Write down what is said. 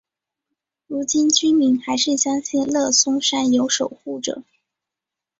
如今居民还是相信乐松山有守护者。